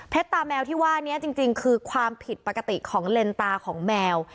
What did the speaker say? ตาแมวที่ว่านี้จริงคือความผิดปกติของเลนตาของแมว